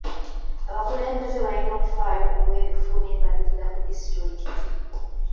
Abakulembeze balina okufaayo ku bwerufu n'embalirira ku disitulikiti.